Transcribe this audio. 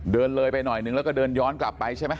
เดินเลยไปหน่อยนึงแล้วก็เดินย้อนกลับไปใช่ไหม